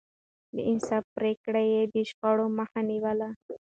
د انصاف پرېکړې يې د شخړو مخه نيوله.